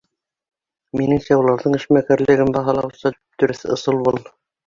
Минеңсә, уларҙың эшмәкәрлеген баһалаусы дөп-дөрөҫ ысул был.